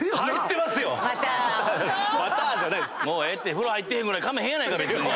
風呂入ってへんぐらい構へんやないか別に。